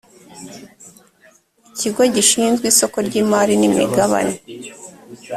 ikigo gishinzwe isoko ry imari n imigabane